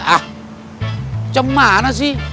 ah cuman sih